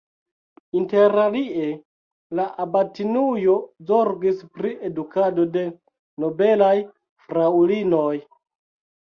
Interalie la abatinujo zorgis pri edukado de nobelaj fraŭlinoj.